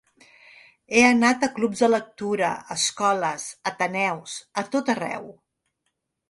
He anat a clubs de lectura, escoles, ateneus… a tot arreu.